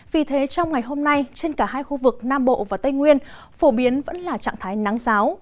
vì thế trong ngày hôm nay trên cả hai khu vực nam bộ và tây nguyên phổ biến vẫn là trạng thái nắng giáo